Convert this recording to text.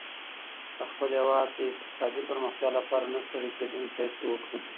د خپل هېواد د اقتصادي پرمختيا لپاره نه ستړې کېدونکې هڅي وکړئ.